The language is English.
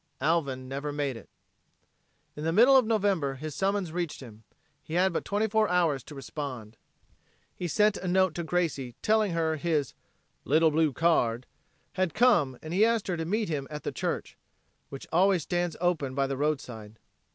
Alvin never made it. In the middle of November his summons reached him. He had but twenty four hours to respond. He sent a note to Gracie, telling her his "little blue card" had come and he asked her to meet him at the church which always stands open by the roadside.